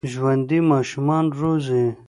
ژوندي ماشومان روزي